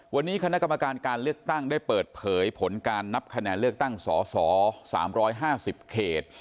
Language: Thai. วันนี้คณะกรรมการการเลือกตั้งได้เปิดเผยผลการนับคะแนนเลือกตั้งสส๓๕๐เขต